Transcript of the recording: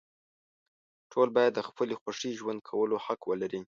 ټول باید د خپلې خوښې ژوند کولو حق ولري.